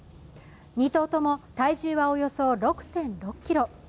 ２頭とも体重はおよそ６．６ｋｇ。